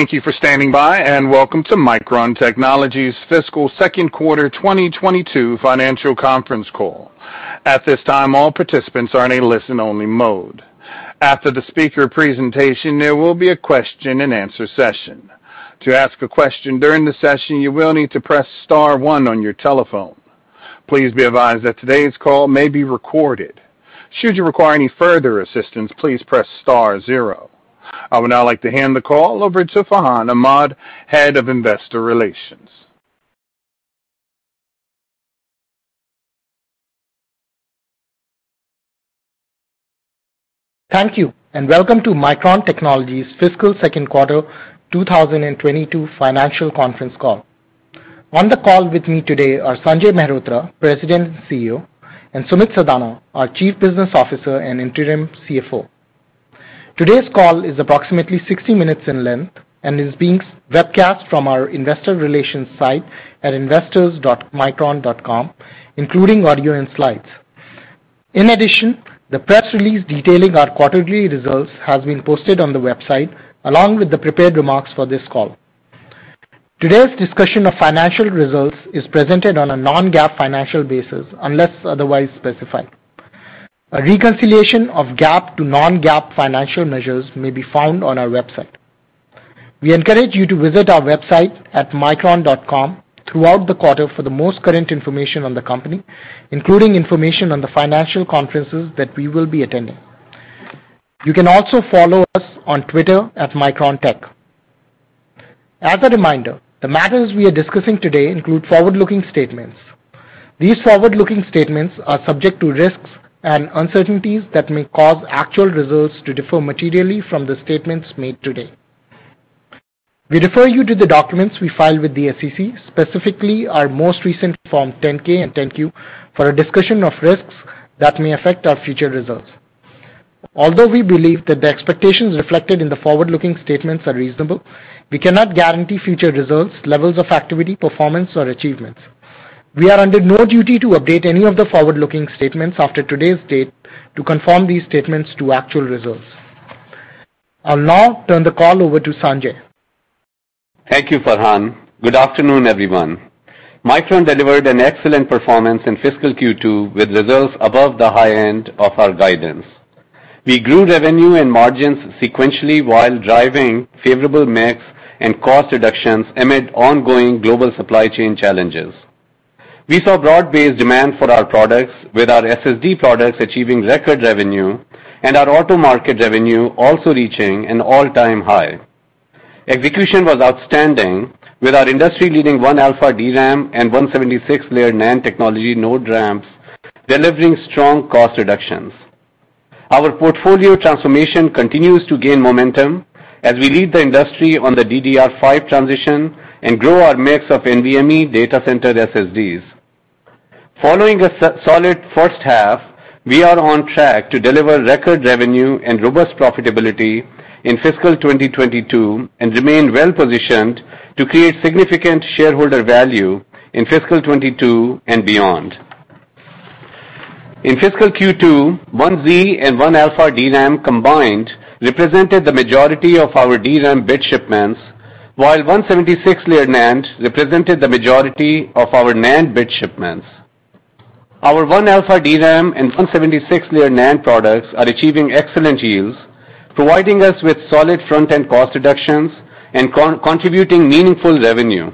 Thank you for standing by, and welcome to Micron Technology's Fiscal Second Quarter 2022 Financial Conference Call. At this time, all participants are in a listen-only mode. After the speaker presentation, there will be a question-and-answer session. To ask a question during the session, you will need to press star one on your telephone. Please be advised that today's call may be recorded. Should you require any further assistance, please press star zero. I would now like to hand the call over to Farhan Ahmad, Head of Investor Relations. Thank you, and welcome to Micron Technology's Fiscal Second Quarter 2022 Financial Conference Call. On the call with me today are Sanjay Mehrotra, President and CEO, and Sumit Sadana, our Chief Business Officer and Interim CFO. Today's call is approximately 60 minutes in length and is being webcast from our investor relations site at investors.micron.com, including audio and slides. In addition, the press release detailing our quarterly results has been posted on the website, along with the prepared remarks for this call. Today's discussion of financial results is presented on a non-GAAP financial basis, unless otherwise specified. A reconciliation of GAAP to non-GAAP financial measures may be found on our website. We encourage you to visit our website at micron.com throughout the quarter for the most current information on the company, including information on the financial conferences that we will be attending. You can also follow us on Twitter @MicronTech. As a reminder, the matters we are discussing today include forward-looking statements. These forward-looking statements are subject to risks and uncertainties that may cause actual results to differ materially from the statements made today. We refer you to the documents we file with the SEC, specifically our most recent Form 10-K and 10-Q, for a discussion of risks that may affect our future results. Although we believe that the expectations reflected in the forward-looking statements are reasonable, we cannot guarantee future results, levels of activity, performance, or achievements. We are under no duty to update any of the forward-looking statements after today's date to confirm these statements to actual results. I'll now turn the call over to Sanjay. Thank you, Farhan. Good afternoon, everyone. Micron delivered an excellent performance in fiscal Q2 with results above the high end of our guidance. We grew revenue and margins sequentially while driving favorable mix and cost reductions amid ongoing global supply chain challenges. We saw broad-based demand for our products, with our SSD products achieving record revenue and our auto market revenue also reaching an all-time high. Execution was outstanding with our industry-leading 1α DRAM and 176-layer NAND technology node ramps delivering strong cost reductions. Our portfolio transformation continues to gain momentum as we lead the industry on the DDR5 transition and grow our mix of NVMe data center SSDs. Following a solid first half, we are on track to deliver record revenue and robust profitability in fiscal 2022, and remain well positioned to create significant shareholder value in fiscal 2022 and beyond. In fiscal Q2, 1z and 1α DRAM combined represented the majority of our DRAM bit shipments, while 176-layer NAND represented the majority of our NAND bit shipments. Our 1α DRAM and 176-layer NAND products are achieving excellent yields, providing us with solid front-end cost reductions and contributing meaningful revenue.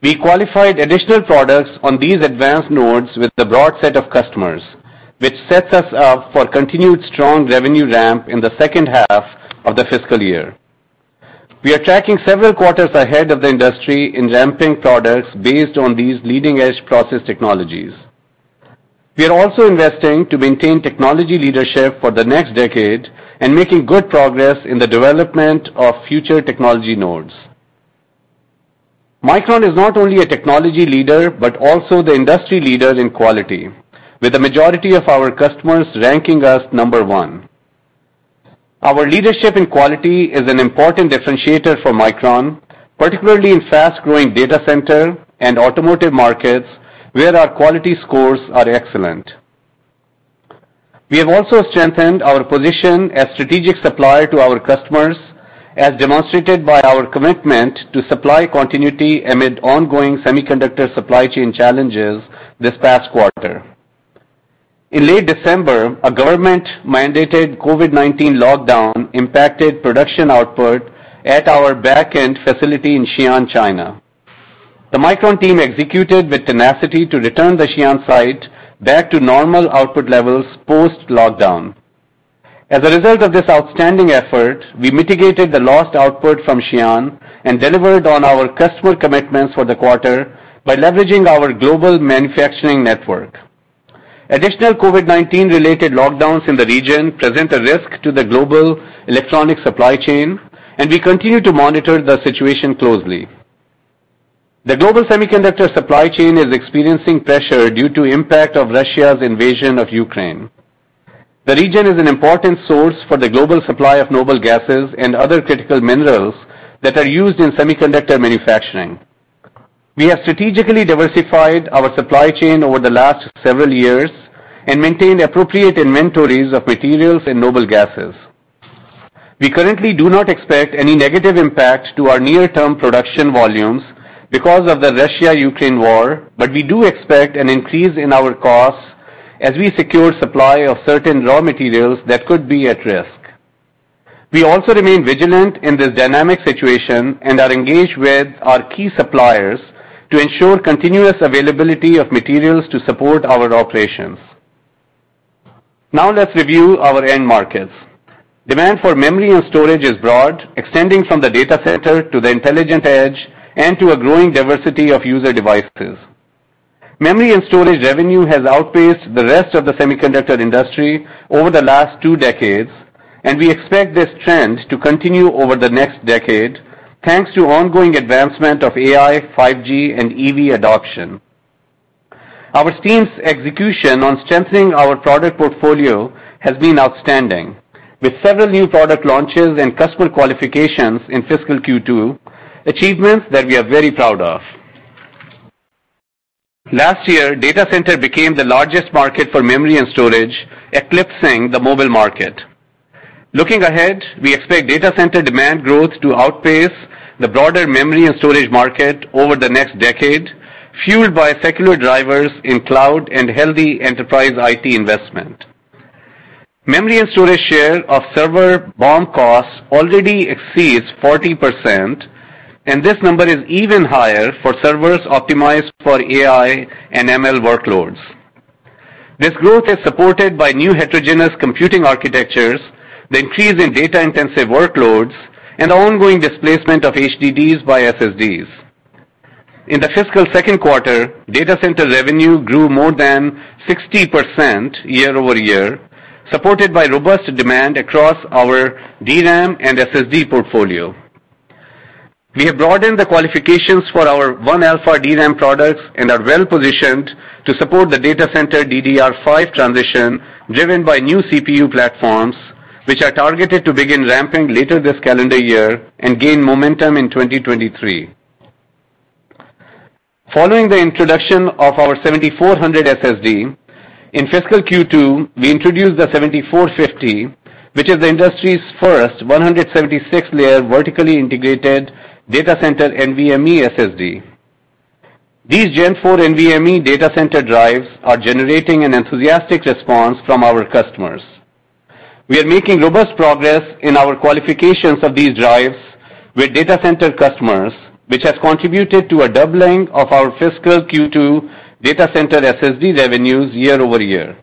We qualified additional products on these advanced nodes with a broad set of customers, which sets us up for continued strong revenue ramp in the second half of the fiscal year. We are tracking several quarters ahead of the industry in ramping products based on these leading-edge process technologies. We are also investing to maintain technology leadership for the next decade and making good progress in the development of future technology nodes. Micron is not only a technology leader, but also the industry leader in quality, with the majority of our customers ranking us number one. Our leadership in quality is an important differentiator for Micron, particularly in fast-growing data center and automotive markets, where our quality scores are excellent. We have also strengthened our position as strategic supplier to our customers, as demonstrated by our commitment to supply continuity amid ongoing semiconductor supply chain challenges this past quarter. In late December, a government-mandated COVID-19 lockdown impacted production output at our back-end facility in Xi'an, China. The Micron team executed with tenacity to return the Xi'an site back to normal output levels post-lockdown. As a result of this outstanding effort, we mitigated the lost output from Xi'an and delivered on our customer commitments for the quarter by leveraging our global manufacturing network. Additional COVID-19 related lockdowns in the region present a risk to the global electronic supply chain, and we continue to monitor the situation closely. The global semiconductor supply chain is experiencing pressure due to impact of Russia's invasion of Ukraine. The region is an important source for the global supply of noble gases and other critical minerals that are used in semiconductor manufacturing. We have strategically diversified our supply chain over the last several years and maintained appropriate inventories of materials and noble gases. We currently do not expect any negative impact to our near-term production volumes because of the Russia-Ukraine war, but we do expect an increase in our costs as we secure supply of certain raw materials that could be at risk. We also remain vigilant in this dynamic situation and are engaged with our key suppliers to ensure continuous availability of materials to support our operations. Now, let's review our end markets. Demand for memory and storage is broad, extending from the data center to the intelligent edge and to a growing diversity of user devices. Memory and storage revenue has outpaced the rest of the semiconductor industry over the last two decades, and we expect this trend to continue over the next decade, thanks to ongoing advancement of AI, 5G, and EV adoption. Our team's execution on strengthening our product portfolio has been outstanding with several new product launches and customer qualifications in fiscal Q2, achievements that we are very proud of. Last year, data center became the largest market for memory and storage, eclipsing the mobile market. Looking ahead, we expect data center demand growth to outpace the broader memory and storage market over the next decade, fueled by secular drivers in cloud and healthy enterprise IT investment. Memory and storage share of server BOM costs already exceeds 40%, and this number is even higher for servers optimized for AI and ML workloads. This growth is supported by new heterogeneous computing architectures, the increase in data-intensive workloads, and ongoing displacement of HDDs by SSDs. In the fiscal second quarter, data center revenue grew more than 60% year-over-year, supported by robust demand across our DRAM and SSD portfolio. We have broadened the qualifications for our 1α DRAM products and are well-positioned to support the data center DDR5 transition, driven by new CPU platforms, which are targeted to begin ramping later this calendar year and gain momentum in 2023. Following the introduction of our 7400 SSD, in fiscal Q2, we introduced the 7450, which is the industry's first 176-layer vertically integrated data center NVMe SSD. These Gen4 NVMe data center drives are generating an enthusiastic response from our customers. We are making robust progress in our qualifications of these drives with data center customers, which has contributed to a doubling of our fiscal Q2 data center SSD revenues year over year.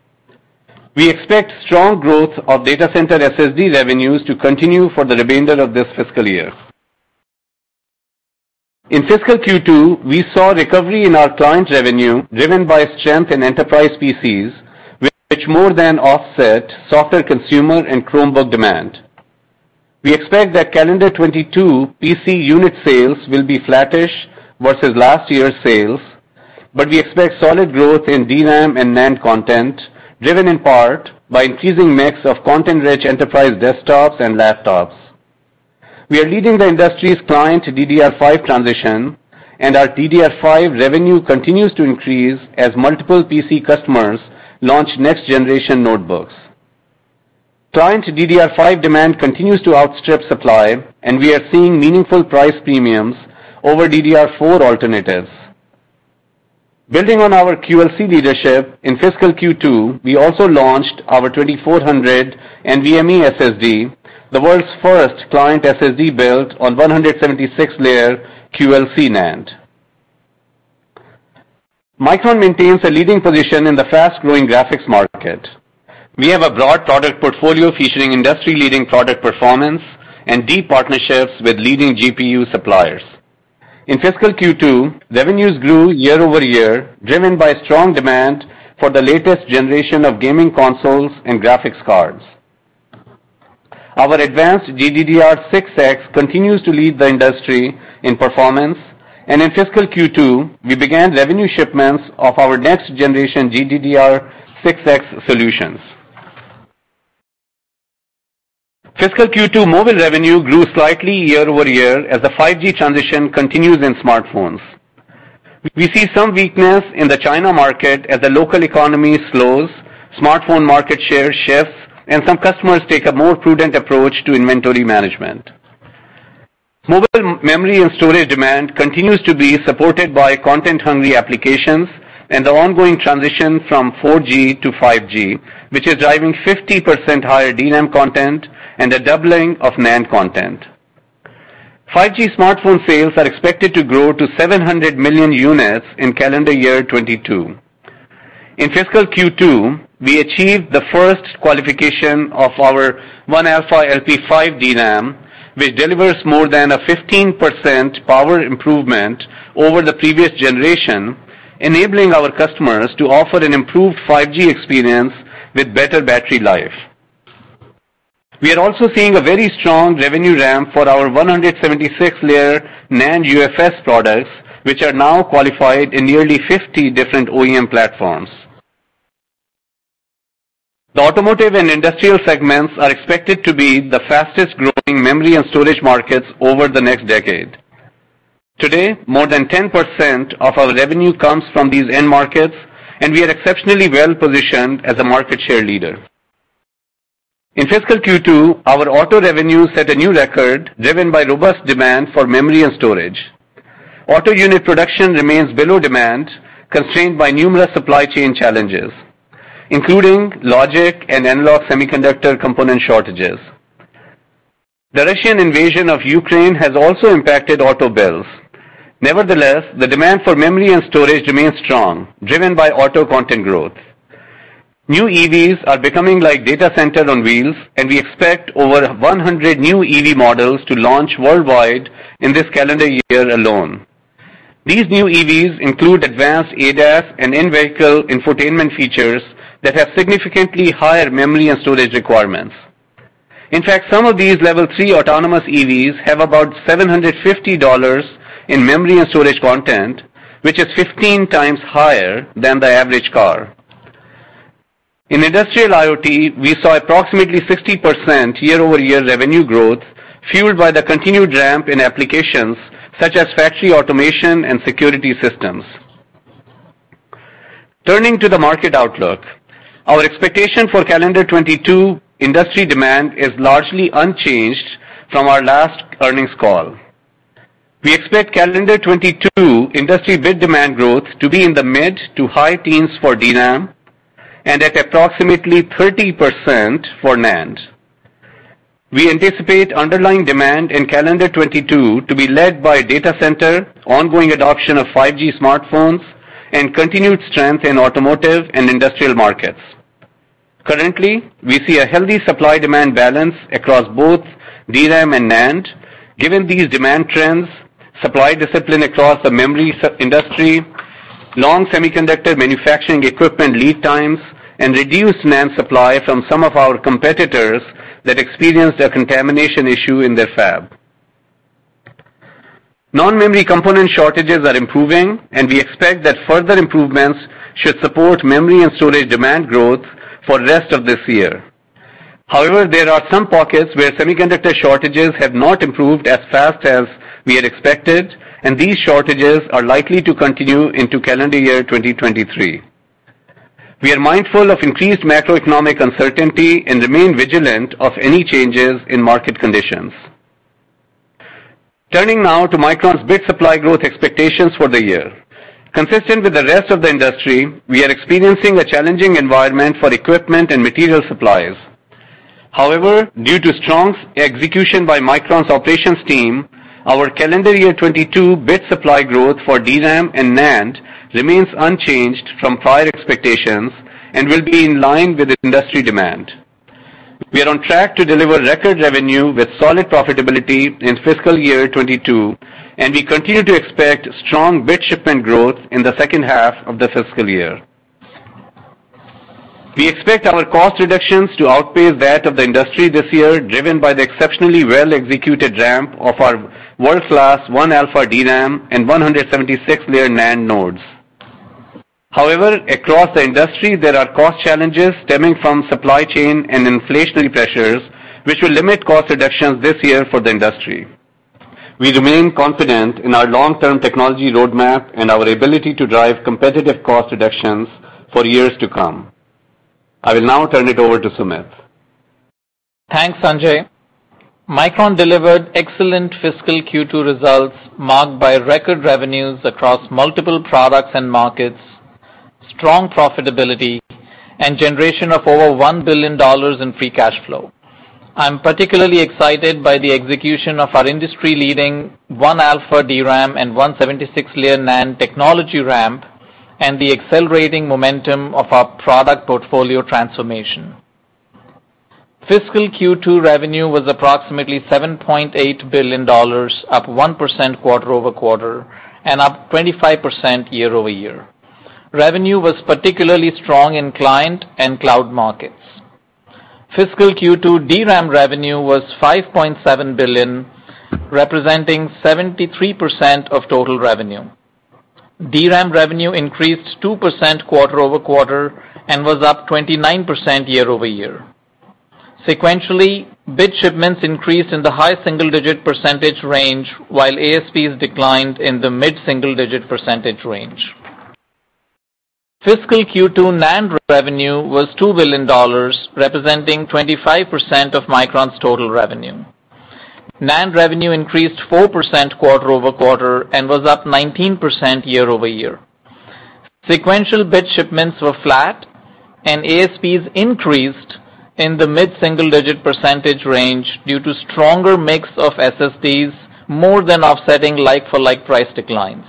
We expect strong growth of data center SSD revenues to continue for the remainder of this fiscal year. In fiscal Q2, we saw recovery in our client revenue driven by strength in enterprise PCs, which more than offset softer consumer and Chromebook demand. We expect that calendar 2022 PC unit sales will be flattish versus last year's sales, but we expect solid growth in DRAM and NAND content, driven in part by increasing mix of content-rich enterprise desktops and laptops. We are leading the industry's client to DDR5 transition, and our DDR5 revenue continues to increase as multiple PC customers launch next-generation notebooks. Client DDR5 demand continues to outstrip supply, and we are seeing meaningful price premiums over DDR4 alternatives. Building on our QLC leadership, in fiscal Q2, we also launched our 2400 NVMe SSD, the world's first client SSD built on 176-layer QLC NAND. Micron maintains a leading position in the fast-growing graphics market. We have a broad product portfolio featuring industry-leading product performance and deep partnerships with leading GPU suppliers. In fiscal Q2, revenues grew year-over-year, driven by strong demand for the latest generation of gaming consoles and graphics cards. Our advanced GDDR6X continues to lead the industry in performance, and in fiscal Q2, we began revenue shipments of our next-generation GDDR6X solutions. Fiscal Q2 mobile revenue grew slightly year-over-year as the 5G transition continues in smartphones. We see some weakness in the China market as the local economy slows, smartphone market share shifts, and some customers take a more prudent approach to inventory management. Mobile memory and storage demand continues to be supported by content-hungry applications and the ongoing transition from 4G to 5G, which is driving 50% higher DRAM content and a doubling of NAND content. 5G smartphone sales are expected to grow to 700 million units in calendar year 2022. In fiscal Q2, we achieved the first qualification of our 1α LPDDR5 DRAM, which delivers more than a 15% power improvement over the previous generation, enabling our customers to offer an improved 5G experience with better battery life. We are also seeing a very strong revenue ramp for our 176-layer NAND UFS products, which are now qualified in nearly 50 different OEM platforms. The automotive and industrial segments are expected to be the fastest-growing memory and storage markets over the next decade. Today, more than 10% of our revenue comes from these end markets, and we are exceptionally well-positioned as a market share leader. In fiscal Q2, our auto revenue set a new record driven by robust demand for memory and storage. Auto unit production remains below demand, constrained by numerous supply chain challenges, including logic and analog semiconductor component shortages. The Russian invasion of Ukraine has also impacted auto builds. Nevertheless, the demand for memory and storage remains strong, driven by auto content growth. New EVs are becoming like data centers on wheels, and we expect over 100 new EV models to launch worldwide in this calendar year alone. These new EVs include advanced ADAS and in-vehicle infotainment features that have significantly higher memory and storage requirements. In fact, some of these level three autonomous EVs have about $750 in memory and storage content, which is 15x higher than the average car. In industrial IoT, we saw approximately 60% year-over-year revenue growth, fueled by the continued ramp in applications such as factory automation and security systems. Turning to the market outlook. Our expectation for calendar 2022 industry demand is largely unchanged from our last earnings call. We expect calendar 2022 industry bit demand growth to be in the mid- to high-teens percent for DRAM and at approximately 30% for NAND. We anticipate underlying demand in calendar 2022 to be led by data center, ongoing adoption of 5G smartphones, and continued strength in automotive and industrial markets. Currently, we see a healthy supply-demand balance across both DRAM and NAND given these demand trends, supply discipline across the memory semiconductor industry, long semiconductor manufacturing equipment lead times, and reduced NAND supply from some of our competitors that experienced a contamination issue in their fab. Non-memory component shortages are improving, and we expect that further improvements should support memory and storage demand growth for the rest of this year. However, there are some pockets where semiconductor shortages have not improved as fast as we had expected, and these shortages are likely to continue into calendar year 2023. We are mindful of increased macroeconomic uncertainty and remain vigilant of any changes in market conditions. Turning now to Micron's bit supply growth expectations for the year. Consistent with the rest of the industry, we are experiencing a challenging environment for equipment and material supplies. However, due to strong execution by Micron's operations team, our calendar year 2022 bit supply growth for DRAM and NAND remains unchanged from prior expectations and will be in line with industry demand. We are on track to deliver record revenue with solid profitability in fiscal year 2022, and we continue to expect strong bit shipment growth in the second half of the fiscal year. We expect our cost reductions to outpace that of the industry this year, driven by the exceptionally well-executed ramp of our world-class 1-alpha (1α) DRAM and 176-layer NAND nodes. However, across the industry, there are cost challenges stemming from supply chain and inflationary pressures, which will limit cost reductions this year for the industry. We remain confident in our long-term technology roadmap and our ability to drive competitive cost reductions for years to come. I will now turn it over to Sumit. Thanks, Sanjay. Micron delivered excellent fiscal Q2 results marked by record revenues across multiple products and markets, strong profitability, and generation of over $1 billion in free cash flow. I'm particularly excited by the execution of our industry-leading 1-alpha (1α) DRAM and 176-layer NAND technology ramp and the accelerating momentum of our product portfolio transformation. Fiscal Q2 revenue was approximately $7.8 billion, up 1% quarter-over-quarter and up 25% year-over-year. Revenue was particularly strong in client and cloud markets. Fiscal Q2 DRAM revenue was $5.7 billion, representing 73% of total revenue. DRAM revenue increased 2% quarter-over-quarter and was up 29% year-over-year. Sequentially, bit shipments increased in the high single-digit percentage range while ASPs declined in the mid single-digit percentage range. Fiscal Q2 NAND revenue was $2 billion, representing 25% of Micron's total revenue. NAND revenue increased 4% quarter-over-quarter and was up 19% year-over-year. Sequential bit shipments were flat, and ASPs increased in the mid single-digit percent range due to stronger mix of SSDs, more than offsetting like-for-like price declines.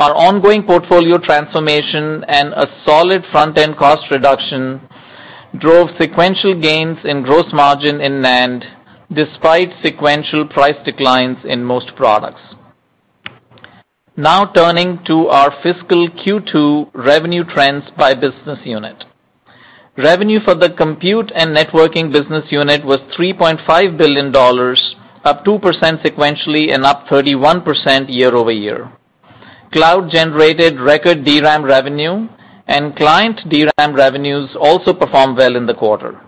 Our ongoing portfolio transformation and a solid front-end cost reduction drove sequential gains in gross margin in NAND despite sequential price declines in most products. Now turning to our fiscal Q2 revenue trends by business unit. Revenue for the Compute and Networking Business Unit was $3.5 billion, up 2% sequentially and up 31% year-over-year. Cloud generated record DRAM revenue and client DRAM revenues also performed well in the quarter.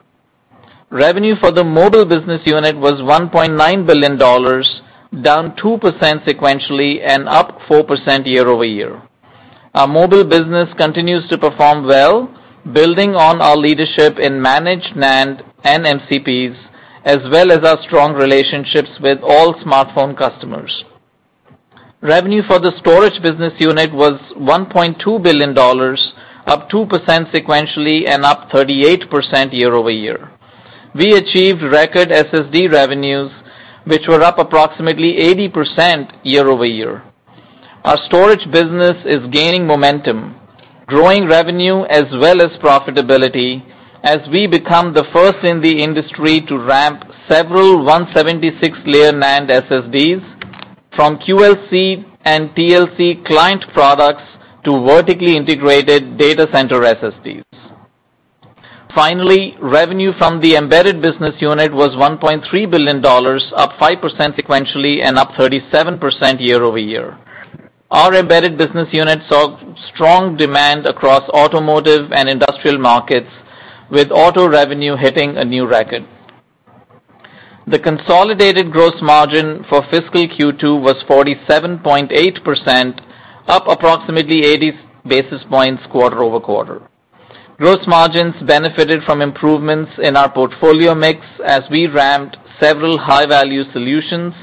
Revenue for the mobile business unit was $1.9 billion, down 2% sequentially and up 4% year-over-year. Our mobile business continues to perform well, building on our leadership in managed NAND and MCPs, as well as our strong relationships with all smartphone customers. Revenue for the storage business unit was $1.2 billion, up 2% sequentially and up 38% year-over-year. We achieved record SSD revenues, which were up approximately 80% year-over-year. Our storage business is gaining momentum, growing revenue as well as profitability as we become the first in the industry to ramp several 176-layer NAND SSDs from QLC and TLC client products to vertically integrated data center SSDs. Revenue from the embedded business unit was $1.3 billion, up 5% sequentially and up 37% year-over-year. Our embedded business unit saw strong demand across automotive and industrial markets, with auto revenue hitting a new record. The consolidated gross margin for fiscal Q2 was 47.8%, up approximately 80 basis points quarter-over-quarter. Gross margins benefited from improvements in our portfolio mix as we ramped several high-value solutions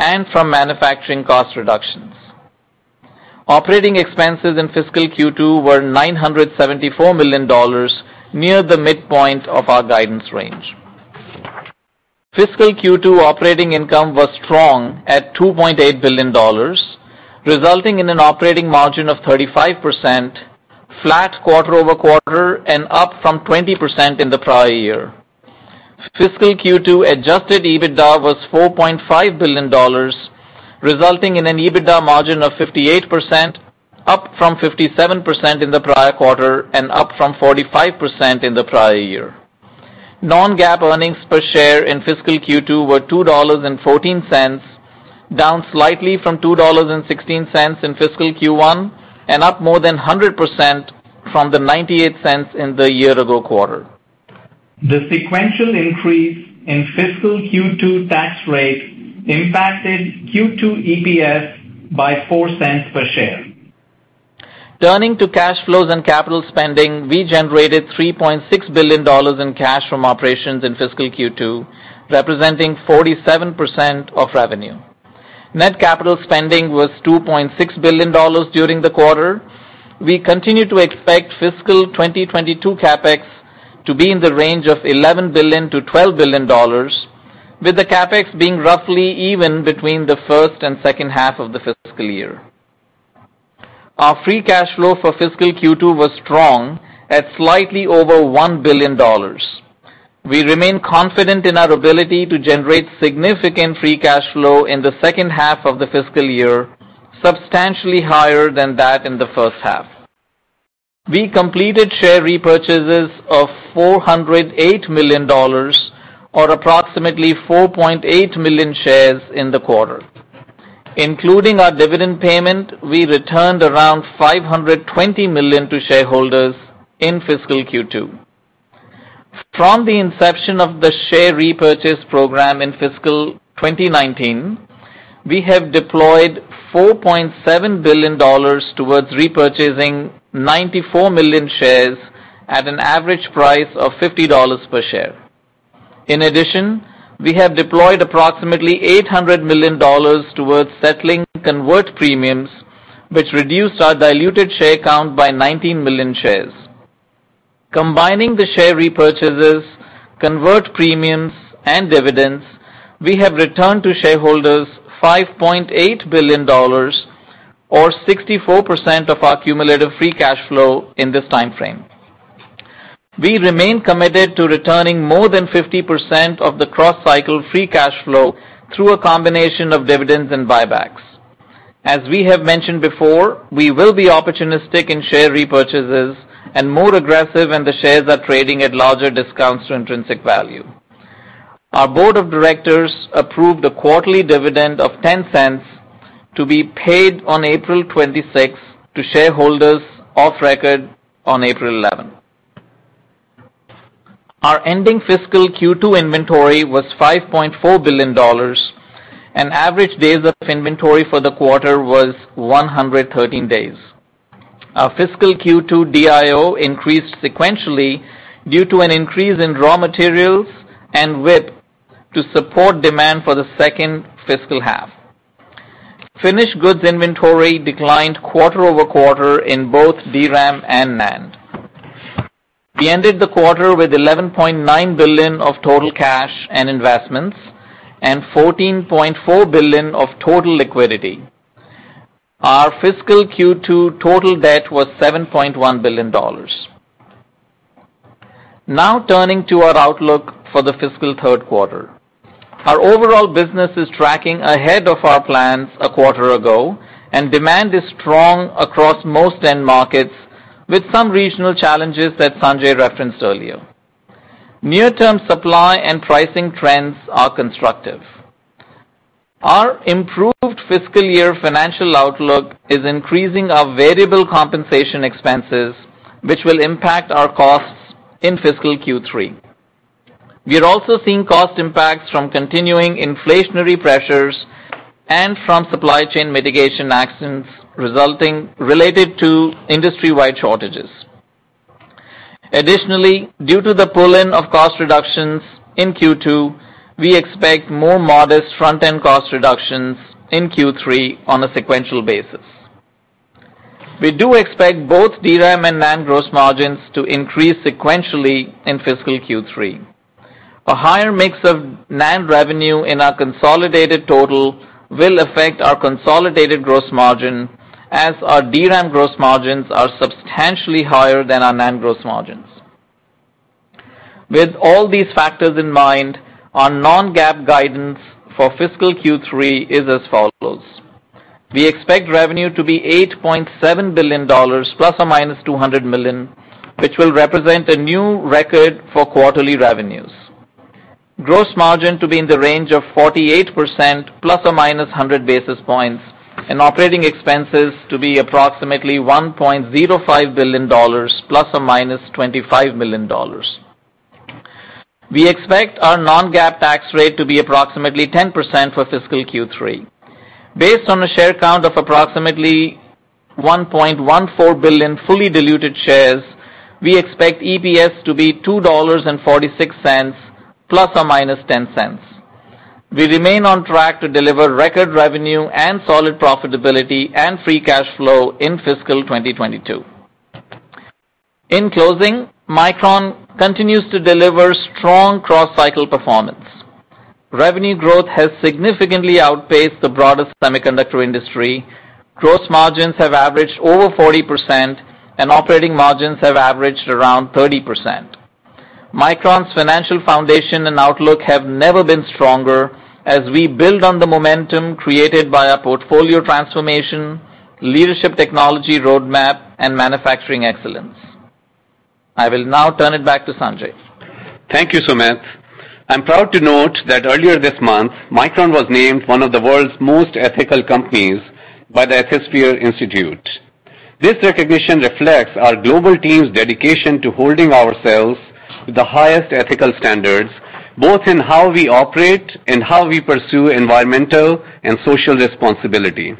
and from manufacturing cost reductions. Operating expenses in fiscal Q2 were $974 million, near the midpoint of our guidance range. Fiscal Q2 operating income was strong at $2.8 billion, resulting in an operating margin of 35%, flat quarter-over-quarter and up from 20% in the prior year. Fiscal Q2 adjusted EBITDA was $4.5 billion, resulting in an EBITDA margin of 58%, up from 57% in the prior quarter and up from 45% in the prior year. Non-GAAP earnings per share in fiscal Q2 were $2.14, down slightly from $2.16 in fiscal Q1 and up more than 100% from the $0.98 in the year ago quarter. The sequential increase in fiscal Q2 tax rate impacted Q2 EPS by $0.04 per share. Turning to cash flows and capital spending, we generated $3.6 billion in cash from operations in fiscal Q2, representing 47% of revenue. Net capital spending was $2.6 billion during the quarter. We continue to expect fiscal 2022 CapEx to be in the range of $11 billion–$12 billion, with the CapEx being roughly even between the first and second half of the fiscal year. Our free cash flow for fiscal Q2 was strong at slightly over $1 billion. We remain confident in our ability to generate significant free cash flow in the second half of the fiscal year, substantially higher than that in the first half. We completed share repurchases of $408 million or approximately 4.8 million shares in the quarter. Including our dividend payment, we returned around $520 million to shareholders in fiscal Q2. From the inception of the share repurchase program in fiscal 2019, we have deployed $4.7 billion towards repurchasing 94 million shares at an average price of $50 per share. In addition, we have deployed approximately $800 million towards settling convert premiums, which reduced our diluted share count by 19 million shares. Combining the share repurchases, convert premiums and dividends, we have returned to shareholders $5.8 billion or 64% of our cumulative free cash flow in this time frame. We remain committed to returning more than 50% of the cross-cycle free cash flow through a combination of dividends and buybacks. As we have mentioned before, we will be opportunistic in share repurchases and more aggressive when the shares are trading at larger discounts to intrinsic value. Our board of directors approved a quarterly dividend of $0.10 to be paid on April 26 to shareholders of record on April 11. Our ending fiscal Q2 inventory was $5.4 billion and average days of inventory for the quarter was 113 days. Our fiscal Q2 DIO increased sequentially due to an increase in raw materials and wafers to support demand for the second fiscal half. Finished goods inventory declined quarter-over-quarter in both DRAM and NAND. We ended the quarter with $11.9 billion of total cash and investments and $14.4 billion of total liquidity. Our fiscal Q2 total debt was $7.1 billion. Now turning to our outlook for the fiscal third quarter. Our overall business is tracking ahead of our plans a quarter ago, and demand is strong across most end markets with some regional challenges that Sanjay referenced earlier. Near-term supply and pricing trends are constructive. Our improved fiscal year financial outlook is increasing our variable compensation expenses, which will impact our costs in fiscal Q3. We are also seeing cost impacts from continuing inflationary pressures and from supply chain mitigation actions resulting related to industry-wide shortages. Additionally, due to the pull-in of cost reductions in Q2, we expect more modest front-end cost reductions in Q3 on a sequential basis. We do expect both DRAM and NAND gross margins to increase sequentially in fiscal Q3. A higher mix of NAND revenue in our consolidated total will affect our consolidated gross margin as our DRAM gross margins are substantially higher than our NAND gross margins. With all these factors in mind, our non-GAAP guidance for fiscal Q3 is as follows. We expect revenue to be $8.7 billion ± $200 million, which will represent a new record for quarterly revenues. Gross margin to be in the range of 48% ± 100 basis points, and operating expenses to be approximately $1.05 billion ± $25 million. We expect our non-GAAP tax rate to be approximately 10% for fiscal Q3. Based on a share count of approximately 1.14 billion fully diluted shares, we expect EPS to be $2.46 ± $0.10. We remain on track to deliver record revenue, and solid profitability, and free cash flow in fiscal 2022. In closing, Micron continues to deliver strong cross-cycle performance. Revenue growth has significantly outpaced the broader semiconductor industry. Gross margins have averaged over 40%, and operating margins have averaged around 30%. Micron's financial foundation and outlook have never been stronger as we build on the momentum created by our portfolio transformation, leadership technology roadmap, and manufacturing excellence. I will now turn it back to Sanjay. Thank you, Sumit. I'm proud to note that earlier this month, Micron was named one of the world's most ethical companies by the Ethisphere Institute. This recognition reflects our global team's dedication to holding ourselves to the highest ethical standards, both in how we operate and how we pursue environmental and social responsibility.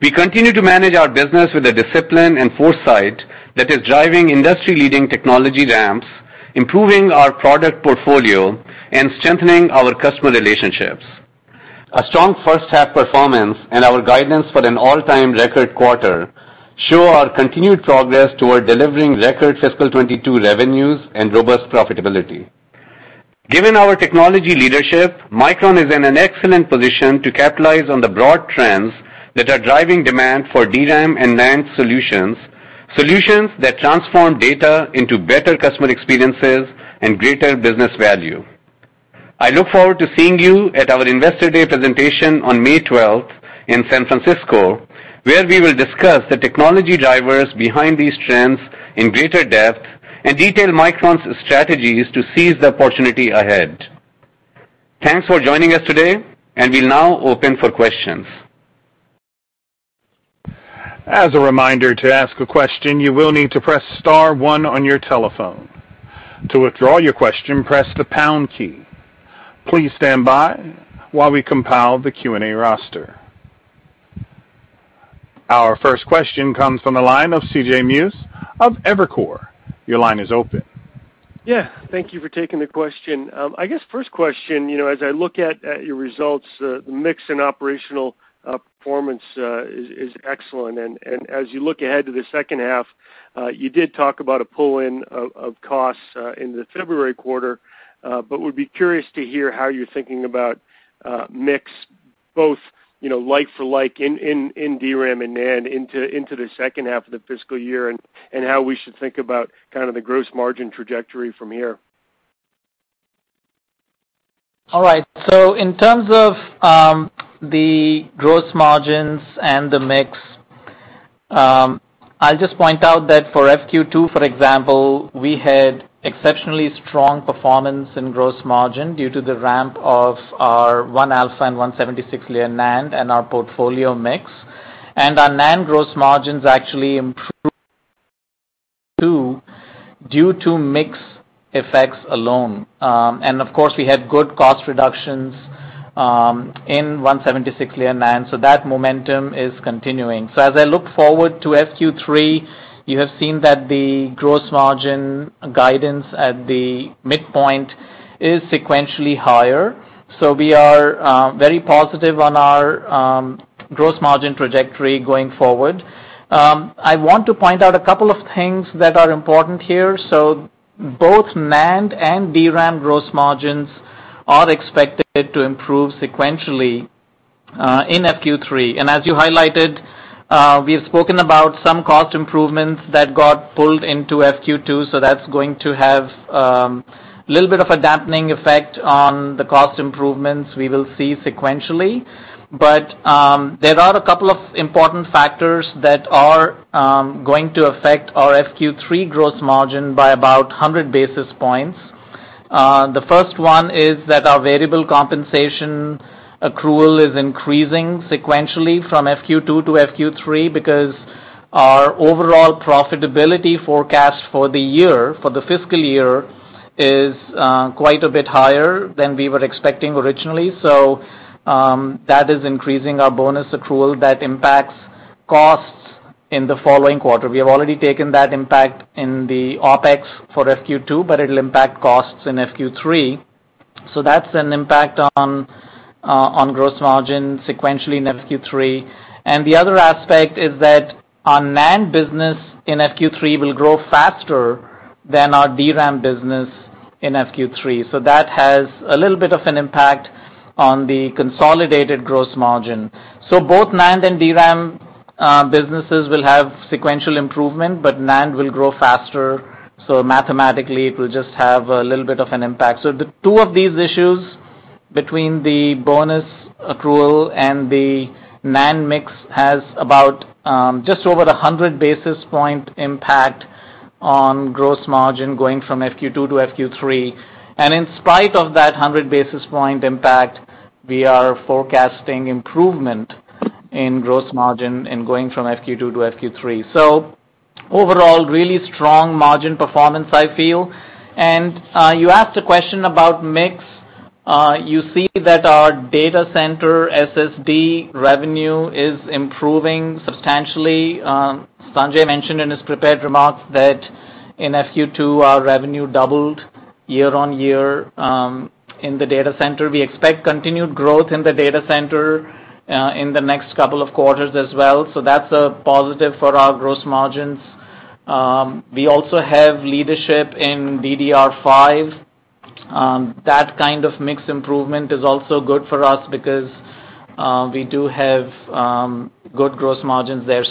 We continue to manage our business with a discipline and foresight that is driving industry-leading technology ramps, improving our product portfolio, and strengthening our customer relationships. A strong first half performance and our guidance for an all-time record quarter show our continued progress toward delivering record fiscal 2022 revenues and robust profitability. Given our technology leadership, Micron is in an excellent position to capitalize on the broad trends that are driving demand for DRAM and NAND solutions that transform data into better customer experiences and greater business value. I look forward to seeing you at our Investor Day presentation on May 12 in San Francisco, where we will discuss the technology drivers behind these trends in greater depth and detail Micron's strategies to seize the opportunity ahead. Thanks for joining us today, and we'll now open for questions. Our first question comes from the line of C.J. Muse of Evercore ISI. Your line is open. Yeah. Thank you for taking the question. I guess first question, you know, as I look at your results, the mix and operational performance is excellent. As you look ahead to the second half, you did talk about a pull-in of costs in the February quarter. But would be curious to hear how you're thinking about mix both, you know, like for like in DRAM and NAND into the second half of the fiscal year, and how we should think about kind of the gross margin trajectory from here. All right. In terms of the gross margins and the mix, I'll just point out that for FQ2, for example, we had exceptionally strong performance in gross margin due to the ramp of our 1α and 176-layer NAND and our portfolio mix. Our NAND gross margins actually improved, too, due to mix effects alone. Of course, we had good cost reductions in 176-layer NAND, so that momentum is continuing. As I look forward to FQ3, you have seen that the gross margin guidance at the midpoint is sequentially higher, so we are very positive on our gross margin trajectory going forward. I want to point out a couple of things that are important here. Both NAND and DRAM gross margins are expected to improve sequentially in FQ3. As you highlighted, we have spoken about some cost improvements that got pulled into FQ2, so that's going to have a little bit of a dampening effect on the cost improvements we will see sequentially. There are a couple of important factors that are going to affect our FQ3 gross margin by about 100 basis points. The first one is that our variable compensation accrual is increasing sequentially from FQ2 to FQ3 because our overall profitability forecast for the year, for the fiscal year, is quite a bit higher than we were expecting originally. That is increasing our bonus accrual that impacts costs in the following quarter. We have already taken that impact in the OpEx for FQ2, but it'll impact costs in FQ3. That's an impact on gross margin sequentially in FQ3. The other aspect is that our NAND business in FQ3 will grow faster than our DRAM business in FQ3. That has a little bit of an impact on the consolidated gross margin. Both NAND and DRAM businesses will have sequential improvement, but NAND will grow faster, so mathematically it will just have a little bit of an impact. The two of these issues between the bonus accrual and the NAND mix has about just over 100 basis point impact on gross margin going from FQ2 to FQ3. In spite of that 100 basis point impact, we are forecasting improvement in gross margin going from FQ2 to FQ3. Overall, really strong margin performance, I feel. You asked a question about mix. You see that our data center SSD revenue is improving substantially. Sanjay mentioned in his prepared remarks that in FQ2, our revenue doubled year-on-year in the data center. We expect continued growth in the data center in the next couple of quarters as well. That's a positive for our gross margins. We also have leadership in DDR5. That kind of mix improvement is also good for us because we do have good gross margins there.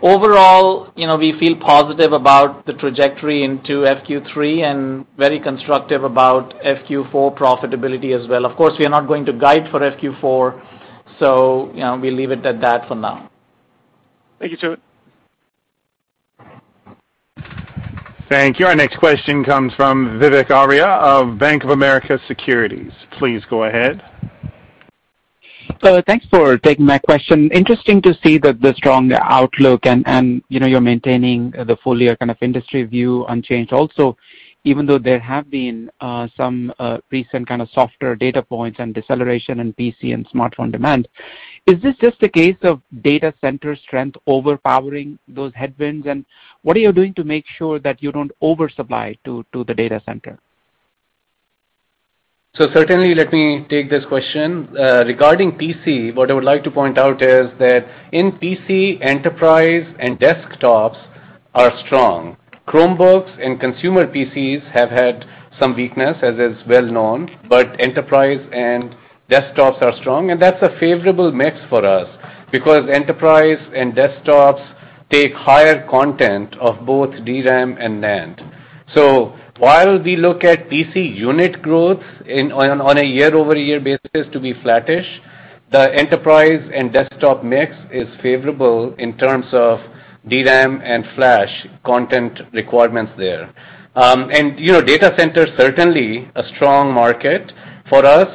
Overall, you know, we feel positive about the trajectory into FQ3 and very constructive about FQ4 profitability as well. Of course, we are not going to guide for FQ4, so, you know, we leave it at that for now. Thank you, Sumit. Thank you. Our next question comes from Vivek Arya of Bank of America Securities. Please go ahead. Thanks for taking my question. Interesting to see the strong outlook and, you know, you're maintaining the full year kind of industry view unchanged also, even though there have been some recent kind of softer data points and deceleration in PC and smartphone demand. Is this just a case of data center strength overpowering those headwinds? And what are you doing to make sure that you don't oversupply to the data center? Certainly let me take this question. Regarding PC, what I would like to point out is that in PC, enterprise and desktops are strong. Chromebooks and consumer PCs have had some weakness, as is well known, but enterprise and desktops are strong, and that's a favorable mix for us because enterprise and desktops take higher content of both DRAM and NAND. While we look at PC unit growth on a year-over-year basis to be flattish, the enterprise and desktop mix is favorable in terms of DRAM and flash content requirements there. You know, data center certainly a strong market for us.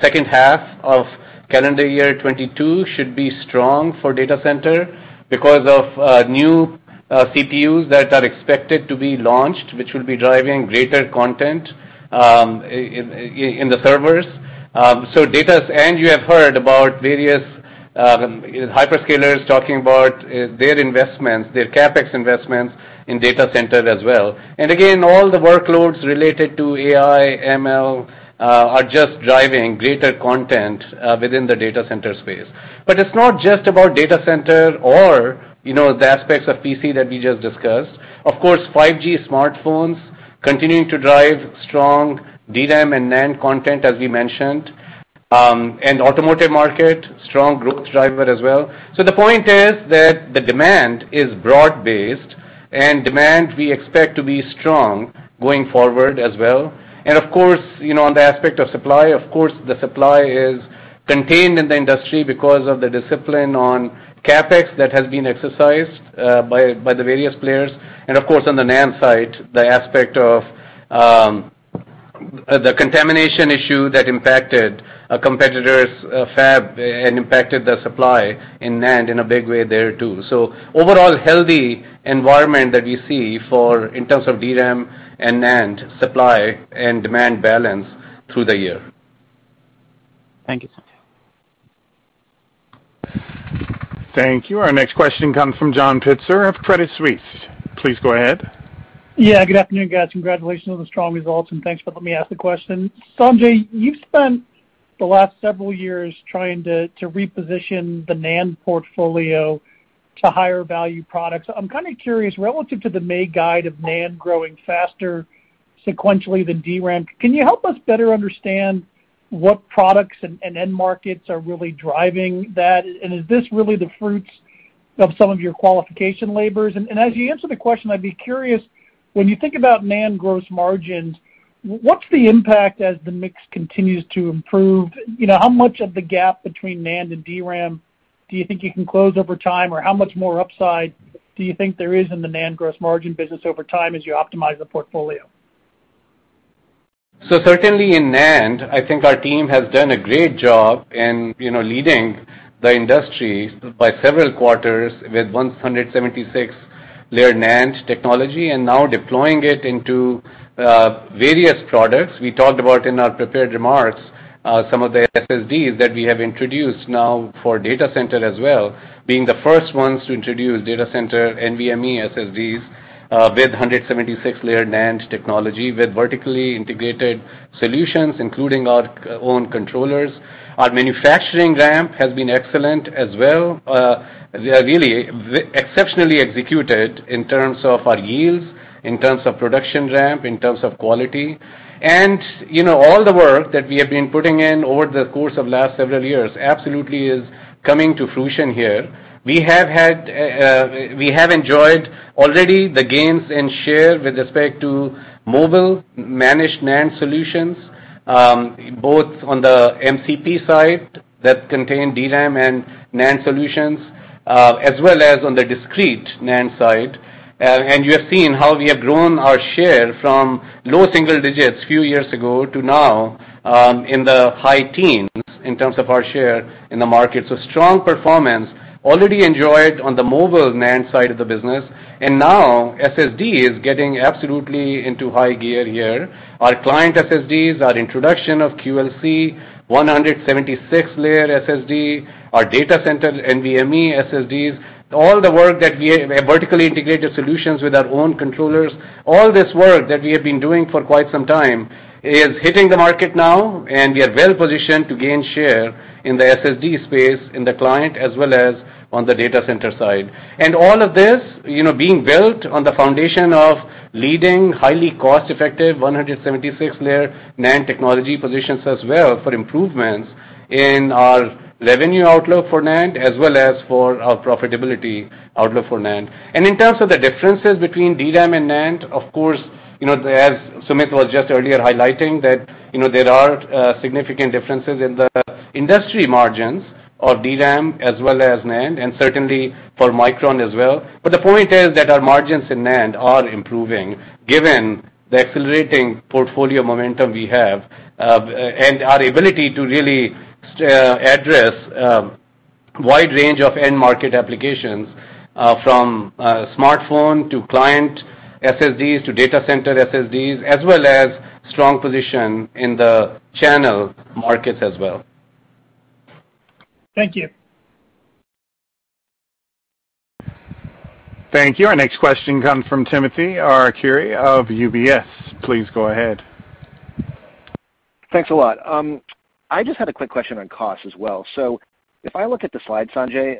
Second half of calendar year 2022 should be strong for data center because of new CPUs that are expected to be launched, which will be driving greater content in the servers. Data... You have heard about various, you know, hyperscalers talking about their investments, their CapEx investments in data centers as well. Again, all the workloads related to AI, ML, are just driving greater content within the data center space. It's not just about data center or, you know, the aspects of PC that we just discussed. Of course, 5G smartphones continuing to drive strong DRAM and NAND content as we mentioned, and automotive market, strong growth driver as well. The point is that the demand is broad-based and demand we expect to be strong going forward as well. Of course, you know, on the aspect of supply, of course the supply is contained in the industry because of the discipline on CapEx that has been exercised by the various players. Of course, on the NAND side, the aspect of the contamination issue that impacted a competitor's fab and impacted the supply in NAND in a big way there too. Overall healthy environment that we see for in terms of DRAM and NAND supply and demand balance through the year. Thank you. Thank you. Our next question comes from John Pitzer of Credit Suisse. Please go ahead. Yeah, good afternoon, guys. Congratulations on the strong results, and thanks for letting me ask the question. Sanjay, you've spent the last several years trying to reposition the NAND portfolio to higher value products. I'm kind of curious, relative to the May guide of NAND growing faster sequentially than DRAM, can you help us better understand what products and end markets are really driving that? And is this really the fruits of some of your qualification labors? And as you answer the question, I'd be curious, when you think about NAND gross margins, what's the impact as the mix continues to improve? You know, how much of the gap between NAND and DRAM Do you think you can close over time or how much more upside do you think there is in the NAND gross margin business over time as you optimize the portfolio? Certainly in NAND, I think our team has done a great job in, you know, leading the industry by several quarters with 176-layer NAND technology and now deploying it into various products. We talked about in our prepared remarks some of the SSDs that we have introduced now for data center as well, being the first ones to introduce data center NVMe SSDs with 176-layer NAND technology, with vertically integrated solutions, including our own controllers. Our manufacturing ramp has been excellent as well. They are really exceptionally executed in terms of our yields, in terms of production ramp, in terms of quality. You know, all the work that we have been putting in over the course of last several years absolutely is coming to fruition here. We have enjoyed already the gains in share with respect to mobile managed NAND solutions, both on the MCP side that contain DRAM and NAND solutions, as well as on the discrete NAND side. You have seen how we have grown our share from low single digits a few years ago to now, in the high teens in terms of our share in the market. Strong performance already enjoyed on the mobile NAND side of the business, and now SSD is getting absolutely into high gear here. Our client SSDs, our introduction of QLC, 176-layer SSD, our data center NVMe SSDs, all the work that we have vertically integrated solutions with our own controllers, all this work that we have been doing for quite some time is hitting the market now, and we are well positioned to gain share in the SSD space in the client as well as on the data center side. All of this, you know, being built on the foundation of leading highly cost-effective 176-layer NAND technology positions us well for improvements in our revenue outlook for NAND as well as for our profitability outlook for NAND. In terms of the differences between DRAM and NAND, of course, you know, as Sumit was just earlier highlighting that, you know, there are significant differences in the industry margins of DRAM as well as NAND, and certainly for Micron as well. But the point is that our margins in NAND are improving given the accelerating portfolio momentum we have, and our ability to really address wide range of end market applications, from smartphone to client SSDs to data center SSDs, as well as strong position in the channel markets as well. Thank you. Thank you. Our next question comes from Timothy Arcuri of UBS. Please go ahead. Thanks a lot. I just had a quick question on cost as well. If I look at the slide, Sanjay,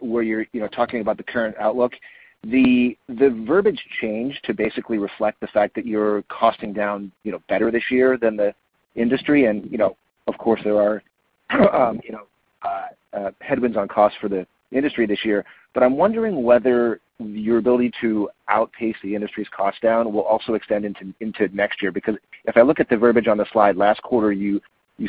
where you're, you know, talking about the current outlook, the verbiage changed to basically reflect the fact that you're costing down, you know, better this year than the industry and, you know, of course there are headwinds on cost for the industry this year. But I'm wondering whether your ability to outpace the industry's cost down will also extend into next year. Because if I look at the verbiage on the slide, last quarter you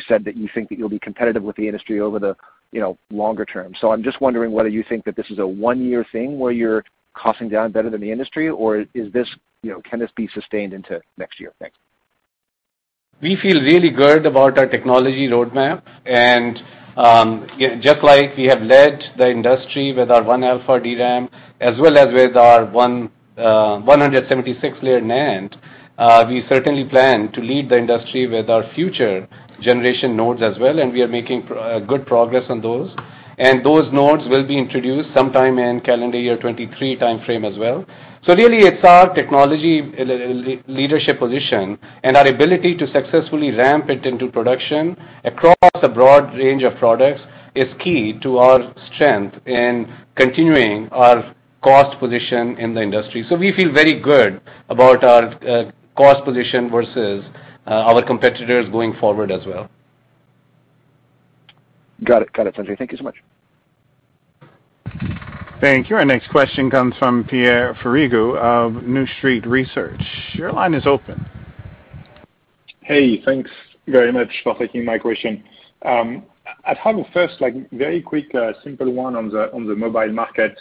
said that you think that you'll be competitive with the industry over the, you know, longer term. I'm just wondering whether you think that this is a one-year thing where you're costing down better than the industry, or is this, you know, can this be sustained into next year? Thanks. We feel really good about our technology roadmap. Just like we have led the industry with our 1-alpha (1α) DRAM, as well as with our 176-layer NAND, we certainly plan to lead the industry with our future generation nodes as well, and we are making good progress on those. Those nodes will be introduced sometime in calendar year 2023 timeframe as well. Really it's our technology leadership position and our ability to successfully ramp it into production across a broad range of products is key to our strength in continuing our cost position in the industry. We feel very good about our cost position versus our competitors going forward as well. Got it. Got it, Sanjay. Thank you so much. Thank you. Our next question comes from Pierre Ferragu of New Street Research. Your line is open. Hey, thanks very much for taking my question. I have a first, like, very quick, simple one on the mobile market.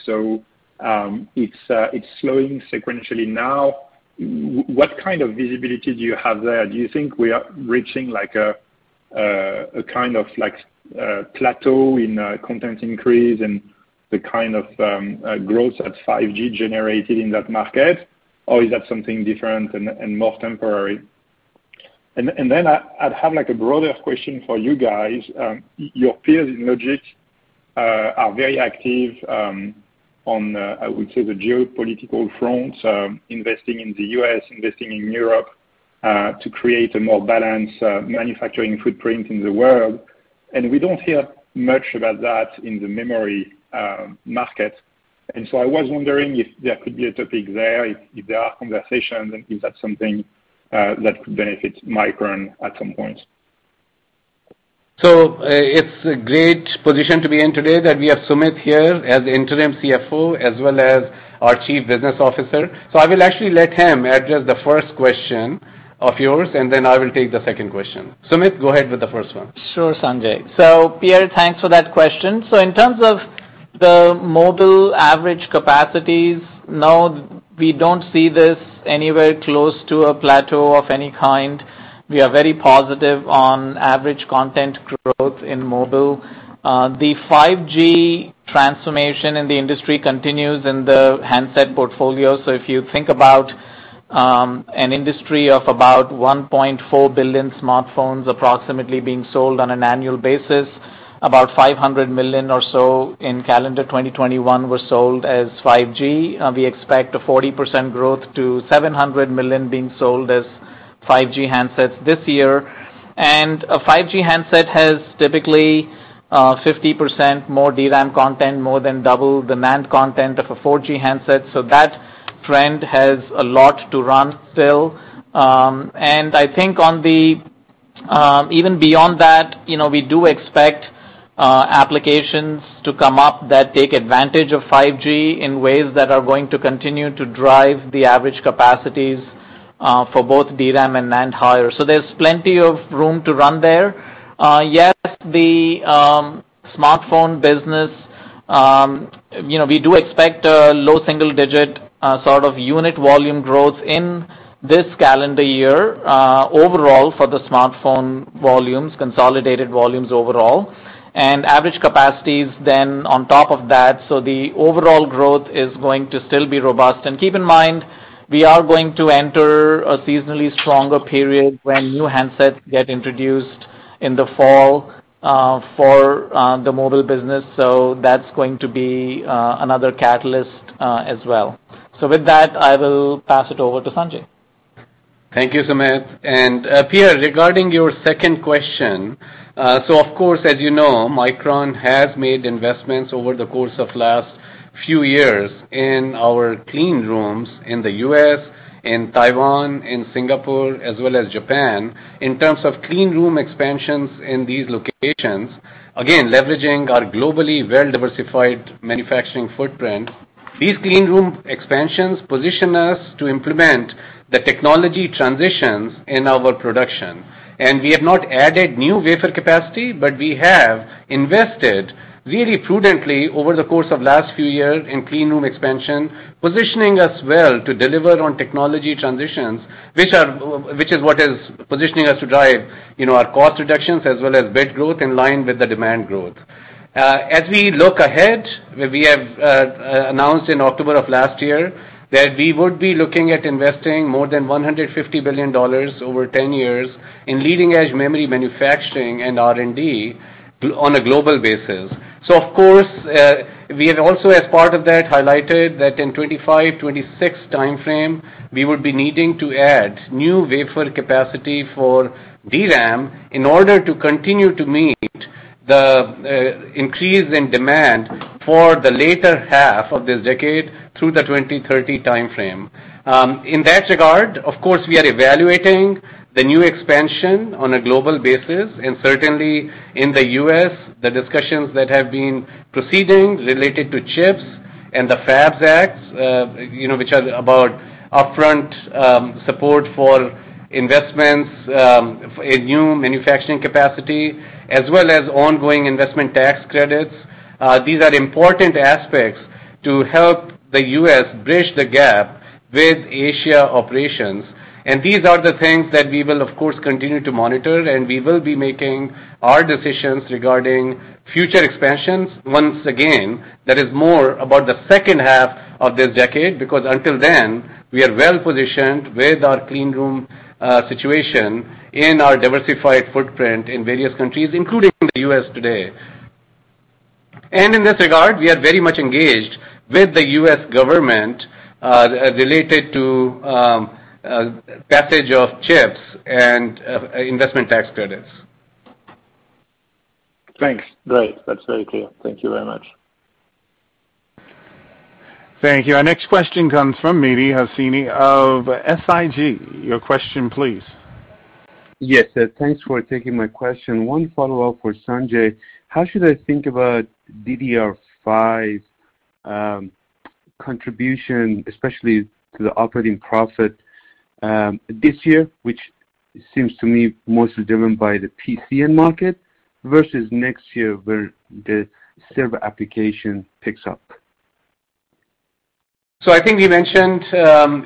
It's slowing sequentially now. What kind of visibility do you have there? Do you think we are reaching like a kind of like plateau in content increase and the kind of growth that 5G generated in that market? Or is that something different and more temporary? I'd have like a broader question for you guys. Your peers in Logic are very active on the geopolitical front, investing in the U.S., investing in Europe, to create a more balanced manufacturing footprint in the world. We don't hear much about that in the memory market. I was wondering if there could be a topic there, if there are conversations, and is that something that could benefit Micron at some point? It's a great position to be in today, that we have Sumit here as the Interim CFO as well as our Chief Business Officer. I will actually let him address the first question of yours, and then I will take the second question. Sumit, go ahead with the first one. Sure, Sanjay. Pierre, thanks for that question. In terms of The mobile average capacities. No, we don't see this anywhere close to a plateau of any kind. We are very positive on average content growth in mobile. The 5G transformation in the industry continues in the handset portfolio. If you think about an industry of about 1.4 billion smartphones approximately being sold on an annual basis, about 500 million or so in calendar 2021 were sold as 5G. We expect a 40% growth to 700 million being sold as 5G handsets this year. A 5G handset has typically 50% more DRAM content, more than double the NAND content of a 4G handset. That trend has a lot to run still. I think on the even beyond that, you know, we do expect applications to come up that take advantage of 5G in ways that are going to continue to drive the average capacities for both DRAM and NAND higher. There's plenty of room to run there. Yes, the smartphone business, you know, we do expect a low single-digit sort of unit volume growth in this calendar year overall for the smartphone volumes, consolidated volumes overall, average capacities then on top of that. The overall growth is going to still be robust. Keep in mind, we are going to enter a seasonally stronger period when new handsets get introduced in the fall for the mobile business. That's going to be another catalyst as well. With that, I will pass it over to Sanjay. Thank you, Sumit. Pierre, regarding your second question. Of course, as you know, Micron has made investments over the course of last few years in our cleanrooms in the U.S., in Taiwan, in Singapore, as well as Japan, in terms of cleanroom expansions in these locations, again, leveraging our globally well-diversified manufacturing footprint. These cleanroom expansions position us to implement the technology transitions in our production. We have not added new wafer capacity, but we have invested very prudently over the course of last few years in cleanroom expansion, positioning us well to deliver on technology transitions, which is what is positioning us to drive, you know, our cost reductions as well as bit growth in line with the demand growth. As we look ahead, we have announced in October of last year that we would be looking at investing more than $150 billion over 10 years in leading-edge memory manufacturing and R&D on a global basis. Of course, we have also as part of that highlighted that in 2025-2026 timeframe, we would be needing to add new wafer capacity for DRAM in order to continue to meet the increase in demand for the later half of this decade through the 2030 timeframe. In that regard, of course, we are evaluating the new expansion on a global basis, and certainly in the U.S., the discussions that have been proceeding related to CHIPS Act and the FABS Act, you know, which are about upfront support for investments in new manufacturing capacity, as well as ongoing investment tax credits. These are important aspects to help the U.S. bridge the gap with Asia operations. These are the things that we will, of course, continue to monitor, and we will be making our decisions regarding future expansions. Once again, that is more about the second half of this decade, because until then, we are well-positioned with our cleanroom situation in our diversified footprint in various countries, including the U.S. today. In this regard, we are very much engaged with the U.S. government related to passage of CHIPS Act and investment tax credits. Thanks. Great. That's very clear. Thank you very much. Thank you. Our next question comes from Mehdi Hosseini of SIG. Your question, please. Yes. Thanks for taking my question. One follow-up for Sanjay. How should I think about DDR5 contribution, especially to the operating profit, this year, which seems to me mostly driven by the PC market versus next year where the server application picks up? I think we mentioned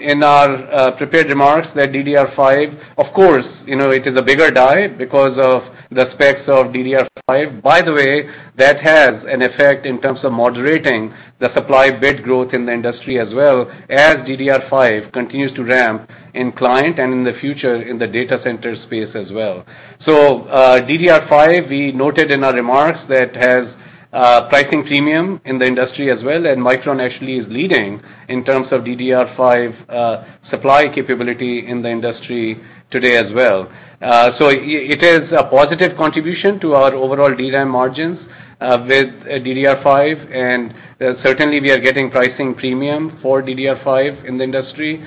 in our prepared remarks that DDR5, of course, you know, it is a bigger die because of the specs of DDR5. By the way, that has an effect in terms of moderating the supply bit growth in the industry as well as DDR5 continues to ramp in client and in the future in the data center space as well. DDR5, we noted in our remarks that has pricing premium in the industry as well, and Micron actually is leading in terms of DDR5 supply capability in the industry today as well. It is a positive contribution to our overall DRAM margins with DDR5, and certainly we are getting pricing premium for DDR5 in the industry.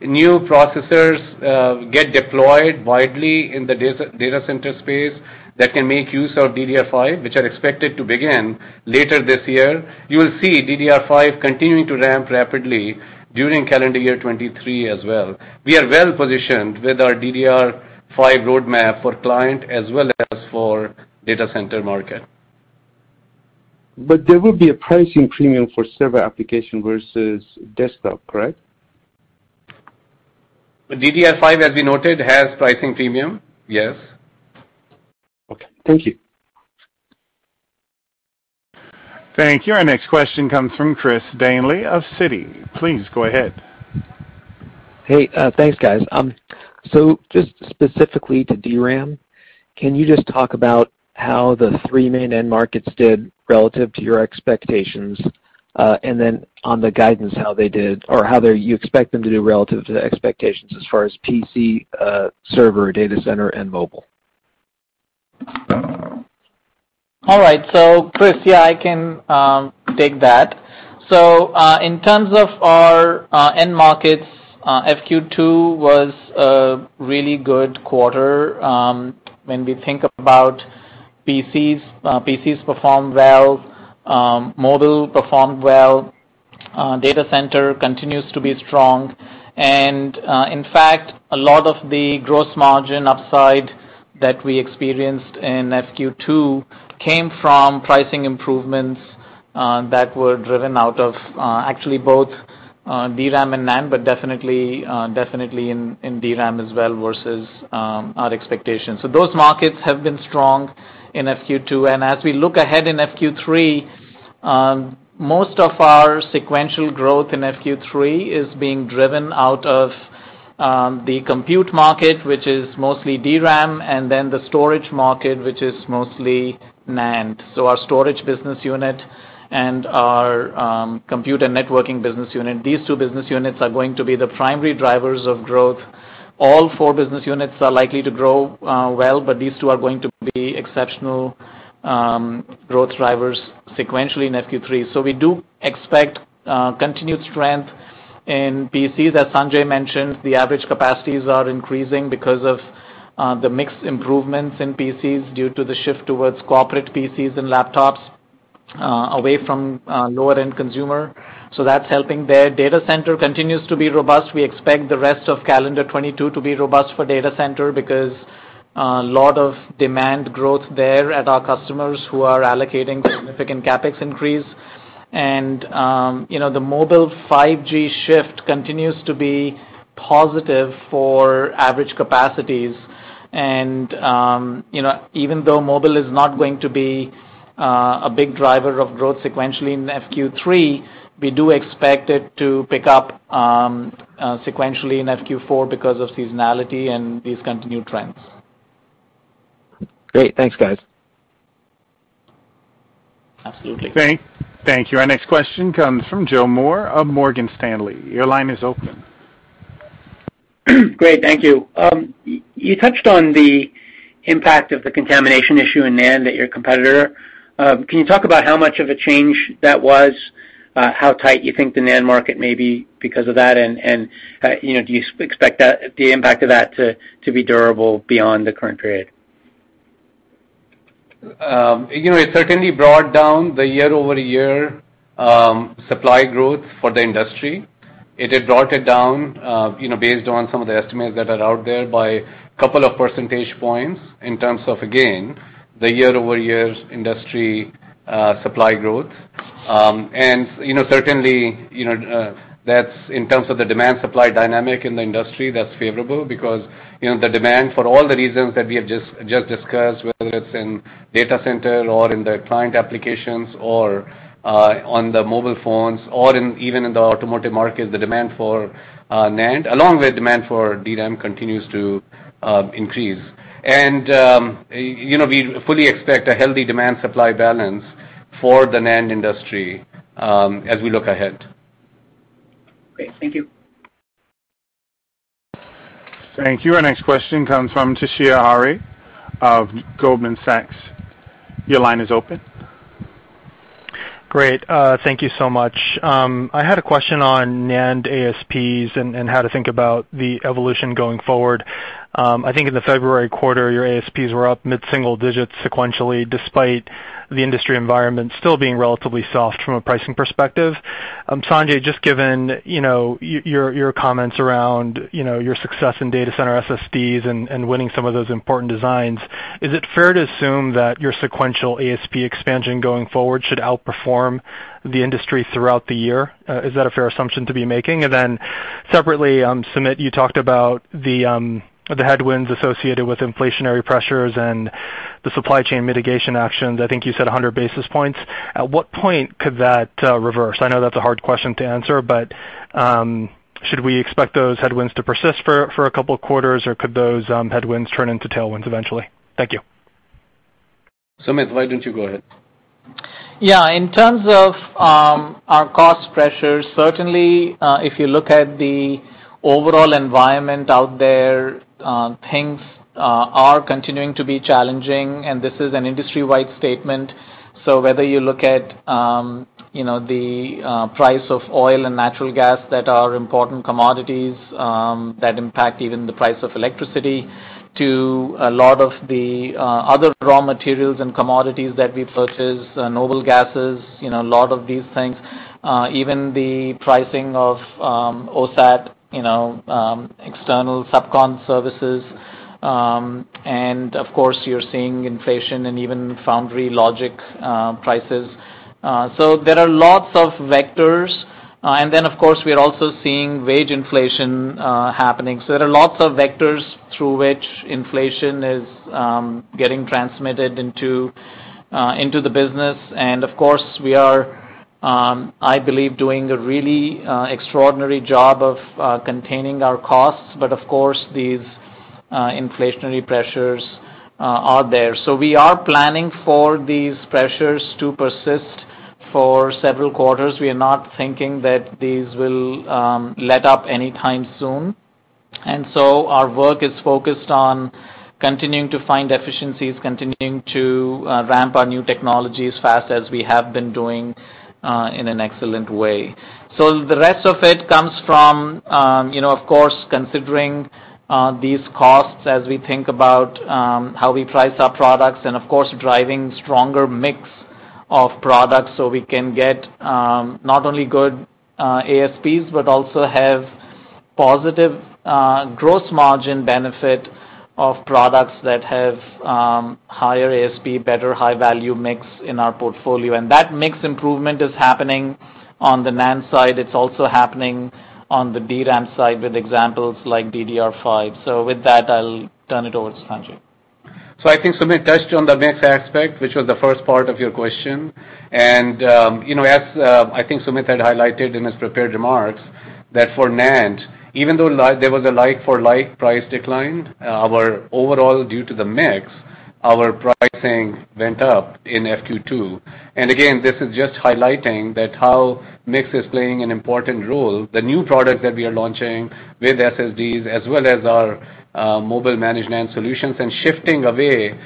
New processors get deployed widely in the data center space that can make use of DDR5, which are expected to begin later this year. You will see DDR5 continuing to ramp rapidly during calendar year 2023 as well. We are well-positioned with our DDR5 roadmap for client as well as for data center market. There will be a pricing premium for server application versus desktop, correct? The DDR5, as we noted, has pricing premium, yes. Okay. Thank you. Thank you. Our next question comes from Chris Danely of Citi. Please go ahead. Hey, thanks, guys. Just specifically to DRAM, can you just talk about how the three main end markets did relative to your expectations, and then on the guidance, how they did or you expect them to do relative to the expectations as far as PC, server, data center, and mobile? All right. Chris, yeah, I can take that. In terms of our end markets, FQ2 was a really good quarter. When we think about PCs performed well, mobile performed well, data center continues to be strong. In fact, a lot of the gross margin upside that we experienced in FQ2 came from pricing improvements that were driven out of actually both DRAM and NAND, but definitely in DRAM as well versus our expectations. Those markets have been strong in FQ2. As we look ahead in FQ3, most of our sequential growth in FQ3 is being driven out of the compute market, which is mostly DRAM, and then the storage market, which is mostly NAND. Our storage business unit and our computer networking business unit, these two business units are going to be the primary drivers of growth. All four business units are likely to grow, well, but these two are going to be exceptional growth drivers sequentially in FQ3. We do expect continued strength in PCs. As Sanjay mentioned, the average capacities are increasing because of the mix improvements in PCs due to the shift towards corporate PCs and laptops away from lower-end consumer. That's helping there. Data center continues to be robust. We expect the rest of calendar 2022 to be robust for data center because a lot of demand growth there at our customers who are allocating significant CapEx increase. You know, the mobile 5G shift continues to be positive for average capacities. You know, even though mobile is not going to be a big driver of growth sequentially in FQ3, we do expect it to pick up sequentially in FQ4 because of seasonality and these continued trends. Great. Thanks, guys. Absolutely. Thank you. Our next question comes from Joe Moore of Morgan Stanley. Your line is open. Great, thank you. You touched on the impact of the contamination issue in NAND at your competitor. Can you talk about how much of a change that was, how tight you think the NAND market may be because of that, and, you know, do you expect that, the impact of that to be durable beyond the current period? You know, it certainly brought down the year-over-year supply growth for the industry. It had brought it down, you know, based on some of the estimates that are out there by couple of percentage points in terms of, again, the year-over-year industry supply growth. You know, certainly, you know, that's in terms of the demand-supply dynamic in the industry. That's favorable because, you know, the demand for all the reasons that we have just discussed, whether it's in data center or in the client applications or on the mobile phones or even in the automotive market, the demand for NAND, along with demand for DRAM continues to increase. You know, we fully expect a healthy demand-supply balance for the NAND industry as we look ahead. Great. Thank you. Thank you. Our next question comes from Toshiya Hari of Goldman Sachs. Your line is open. Great. Thank you so much. I had a question on NAND ASPs and how to think about the evolution going forward. I think in the February quarter, your ASPs were up mid-single digits sequentially, despite the industry environment still being relatively soft from a pricing perspective. Sanjay, just given, you know, your comments around, you know, your success in data center SSDs and winning some of those important designs, is it fair to assume that your sequential ASP expansion going forward should outperform the industry throughout the year? Is that a fair assumption to be making? Separately, Sumit, you talked about the headwinds associated with inflationary pressures and the supply chain mitigation actions. I think you said 100 basis points. At what point could that reverse? I know that's a hard question to answer, but should we expect those headwinds to persist for a couple of quarters, or could those headwinds turn into tailwinds eventually? Thank you. Sumit, why don't you go ahead? Yeah. In terms of our cost pressures, certainly, if you look at the overall environment out there, things are continuing to be challenging, and this is an industry-wide statement. Whether you look at, you know, the price of oil and natural gas that are important commodities, that impact even the price of electricity to a lot of the other raw materials and commodities that we purchase, noble gases, you know, a lot of these things. Even the pricing of OSAT, you know, external subcon services, and of course, you're seeing inflation and even foundry logic prices. There are lots of vectors, and then, of course, we're also seeing wage inflation happening. There are lots of vectors through which inflation is getting transmitted into the business. Of course we are, I believe doing a really extraordinary job of containing our costs, but of course, these inflationary pressures are there. We are planning for these pressures to persist for several quarters. We are not thinking that these will let up any time soon. Our work is focused on continuing to find efficiencies, continuing to ramp our new technologies fast as we have been doing in an excellent way. The rest of it comes from, you know, of course, considering these costs as we think about how we price our products and of course, driving stronger mix of products so we can get not only good ASPs, but also have positive gross margin benefit of products that have higher ASP, better high value mix in our portfolio. That mix improvement is happening on the NAND side. It's also happening on the DRAM side with examples like DDR5. With that, I'll turn it over to Sanjay. I think Sumit touched on the mix aspect, which was the first part of your question. You know, as I think Sumit had highlighted in his prepared remarks that for NAND, even though there was a like-for-like price decline, our overall due to the mix, our pricing went up in FQ2. Again, this is just highlighting that how mix is playing an important role. The new product that we are launching with SSDs as well as our mobile managed NAND solutions and shifting away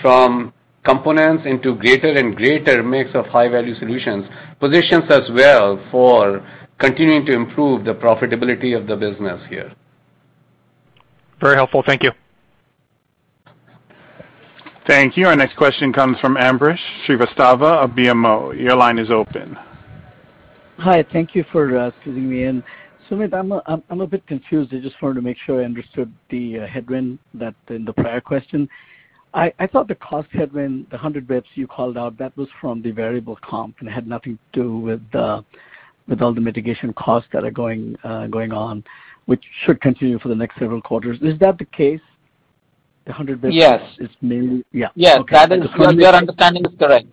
from components into greater and greater mix of high-value solutions positions us well for continuing to improve the profitability of the business here. Very helpful. Thank you. Thank you. Our next question comes from Ambrish Srivastava of BMO. Your line is open. Hi. Thank you for squeezing me in. Sumit, I'm a bit confused. I just wanted to make sure I understood the headwind in the prior question. I thought the cost headwind, the 100 basis points you called out, that was from the variable comp and had nothing to do with all the mitigation costs that are going on, which should continue for the next several quarters. Is that the case? The 100 basis points- Yes. It's mainly. Yeah. Yes. Okay. Your understanding is correct.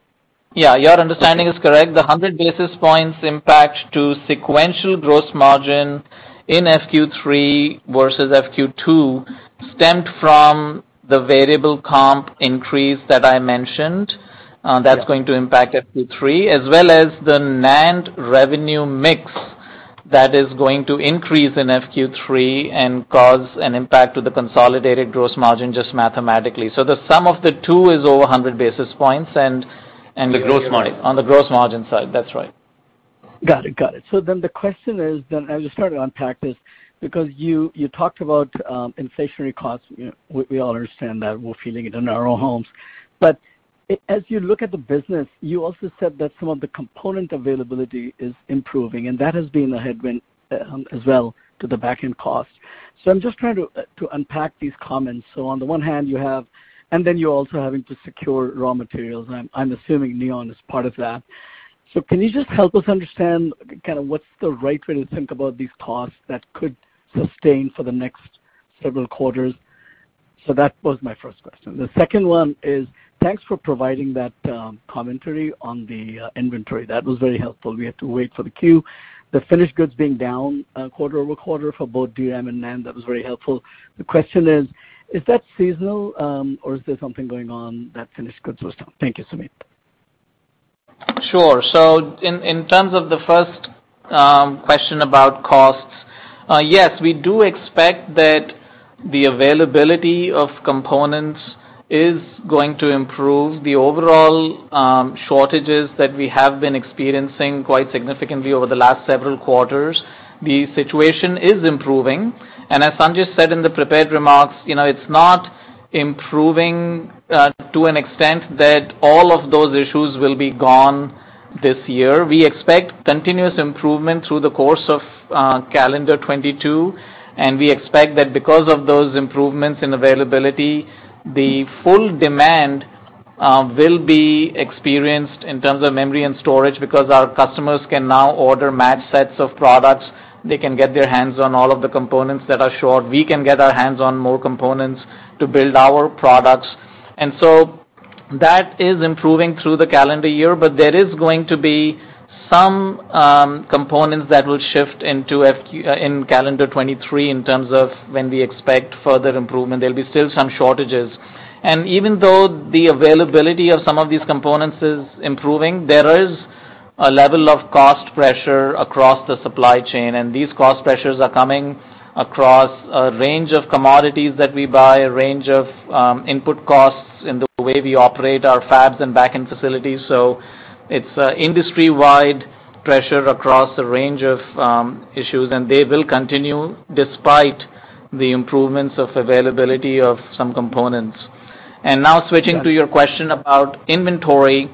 Yeah, your understanding is correct. Okay. The 100 basis points impact to sequential gross margin in FQ3 versus FQ2 stemmed from the variable comp increase that I mentioned. Yeah. That's going to impact FQ3, as well as the NAND revenue mix that is going to increase in FQ3 and cause an impact to the consolidated gross margin just mathematically. The sum of the two is over 100 basis points and the gross margin. On the gross margin side. That's right. Got it. The question is, I'll just start to unpack this because you talked about inflationary costs. You know, we all understand that. We're feeling it in our own homes. But as you look at the business, you also said that some of the component availability is improving, and that has been a headwind, as well to the back-end costs. I'm just trying to unpack these comments. On the one hand, you have, and then you're also having to secure raw materials, and I'm assuming neon is part of that. Can you just help us understand kind of what's the right way to think about these costs that could sustain for the next several quarters? That was my first question. The second one is thanks for providing that commentary on the inventory. That was very helpful. We had to wait for the queue. The finished goods being down quarter-over-quarter for both DRAM and NAND, that was very helpful. The question is that seasonal, or is there something going on that finished goods were down? Thank you, Sumit. Sure. In terms of the first question about costs, yes, we do expect that the availability of components is going to improve the overall shortages that we have been experiencing quite significantly over the last several quarters. The situation is improving, and as Sanjay said in the prepared remarks, you know, it's not improving to an extent that all of those issues will be gone this year. We expect continuous improvement through the course of calendar 2022, and we expect that because of those improvements in availability, the full demand will be experienced in terms of memory and storage because our customers can now order matched sets of products. They can get their hands on all of the components that are short. We can get our hands on more components to build our products. That is improving through the calendar year, but there is going to be some components that will shift into FQ1 in calendar 2023 in terms of when we expect further improvement. There'll be still some shortages. Even though the availability of some of these components is improving, there is a level of cost pressure across the supply chain, and these cost pressures are coming across a range of commodities that we buy, a range of input costs in the way we operate our fabs and back-end facilities. It's a industry-wide pressure across a range of issues, and they will continue despite the improvements of availability of some components. Now switching to your question about inventory.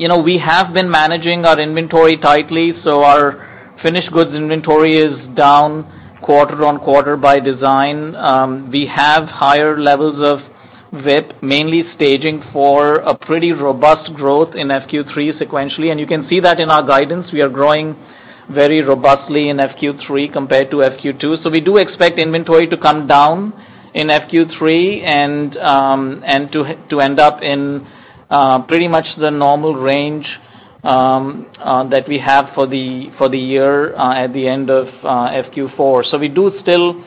You know, we have been managing our inventory tightly, so our finished goods inventory is down quarter on quarter by design. We have higher levels of WIP, mainly staging for a pretty robust growth in FQ3 sequentially. You can see that in our guidance, we are growing very robustly in FQ3 compared to FQ2. We do expect inventory to come down in FQ3 and to end up in pretty much the normal range that we have for the year at the end of FQ4. We do still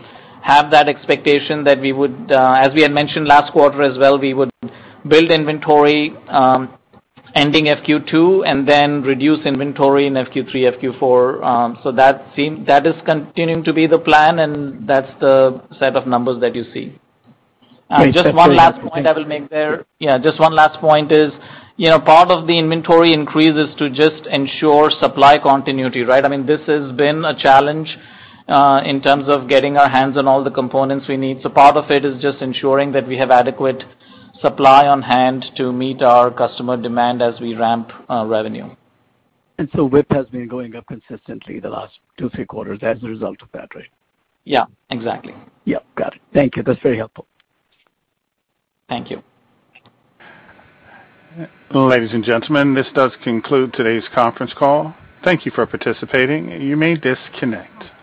have that expectation that we would, as we had mentioned last quarter as well, we would build inventory ending FQ2, and then reduce inventory in FQ3, FQ4. That is continuing to be the plan, and that's the set of numbers that you see. Great. That's very helpful. Thank you. Just one last point I will make there. Yeah, you know, part of the inventory increase is to just ensure supply continuity, right? I mean, this has been a challenge in terms of getting our hands on all the components we need. Part of it is just ensuring that we have adequate supply on hand to meet our customer demand as we ramp our revenue. WIP has been going up consistently the last two, three quarters as a result of that, right? Yeah, exactly. Yeah, got it. Thank you. That's very helpful. Thank you. Ladies and gentlemen, this does conclude today's conference call. Thank you for participating. You may disconnect.